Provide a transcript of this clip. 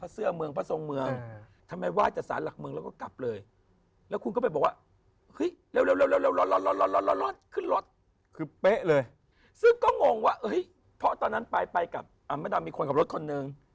ซึ่งก็งงว่าเฮ้ยเพราะตอนนั้นไปกับอ่ะมาดามมีคนกับรถคนหนึ่ง